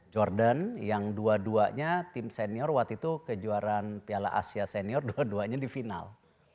jordan yang dua duanya tim senior waktu itu kejuaraan piala asia senior dua duanya di final